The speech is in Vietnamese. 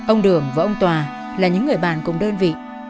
ông đường và ông tòa là những người bạn cùng đơn vị